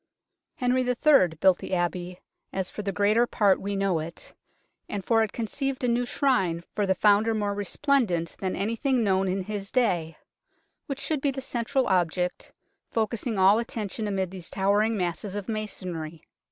Henry III. built the Abbey as for the greater part we know it, and for it conceived a new Shrine for the founder more resplendent than anything known in his day, which should be the central object, focussing all attention amid these towering masses of masonry.